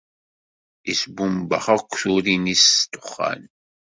Isbumbex akk turin-is s ddexxan.